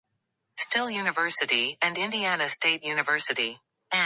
Still University, and Indiana State University.